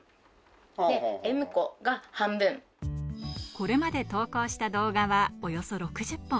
これまで投稿した動画はおよそ６０本。